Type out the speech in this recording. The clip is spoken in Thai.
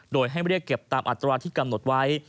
โดยให้เรียกเก็บตามอัตราที่กำหนดไว้